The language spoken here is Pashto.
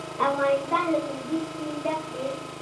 افغانستان له کندز سیند ډک دی.